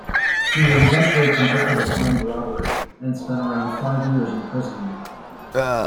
He was eventually convicted of armed robbery and spent around five years in prison.